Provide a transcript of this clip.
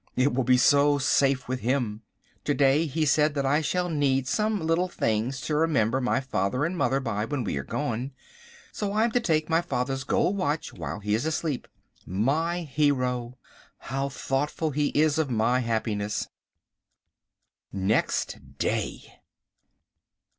It will be so safe with him. To day he said that I shall need some little things to remember my father and mother by when we are gone. So I am to take my father's gold watch while he is asleep. My hero! How thoughtful he is of my happiness. Next Day.